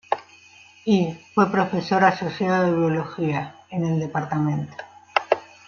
Y, fue profesor asociado de biología, en el Dto.